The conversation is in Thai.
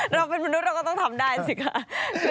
เราเป็นมนุษย์เราก็ต้องทำได้สิคะ